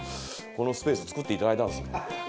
このスペース作っていただいたんですね。